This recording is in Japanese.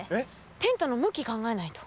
テントの向き考えないと。